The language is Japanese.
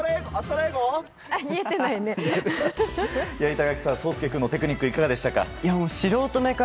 板垣さん、颯亮君のテクニックいかがでしたか？